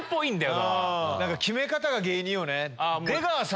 決め方が芸人よね。